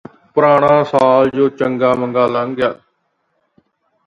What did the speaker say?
ਪੁਰਾਣਾ ਸਾਲ ਜੋ ਚੰਗਾ ਮਾੜਾ ਲੰਘ ਗਿਆ